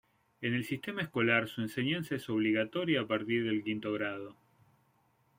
En el sistema escolar su enseñanza es obligatoria a partir del quinto grado.